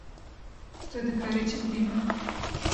Tu dikarî çi bidî min?